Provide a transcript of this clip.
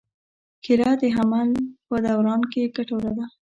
کېله د حمل په دوران کې ګټوره ده.